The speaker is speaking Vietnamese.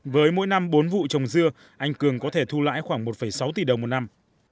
với mỗi năm bốn vụ trồng dưa anh cường có thể thu lãi khoảng một sáu tỷ đồng một năm